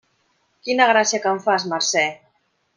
Quina gràcia que em fas, Mercè!